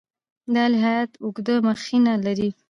دا الهیات اوږده مخینه لري.